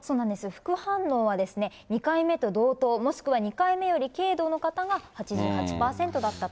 副反応はですね、２回目と同等、もしくは２回目より軽度の方が８８％だったと。